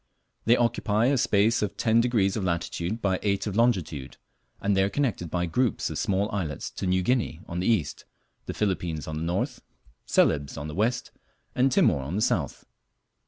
They occupy a space of ten degrees of latitude by eight of longitude, and they are connected by groups of small islets to New Guinea on the east, the Philippines on the north, Celebes on the west, and Timor on the south.